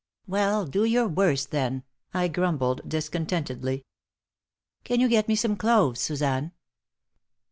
"Well, do your worst, then," I grumbled, discontentedly. "Can you get me some cloves, Suzanne?"